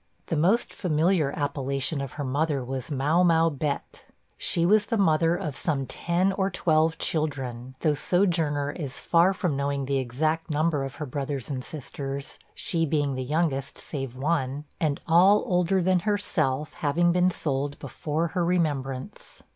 The most familiar appellation of her mother was 'Mau mau Bett.' She was the mother of some ten or twelve children; though Sojourner is far from knowing the exact number of her brothers and sisters; she being the youngest, save one, and all older than herself having been sold before her remembrance.